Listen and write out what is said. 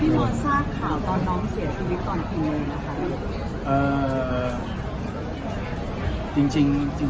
พี่น้องเขาสร้างข่าวว่าตอนน้องเสียชีวิตตอนที่หนึ่ง